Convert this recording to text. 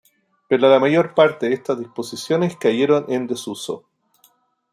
Pero la mayor parte de estas disposiciones cayeron en desuso.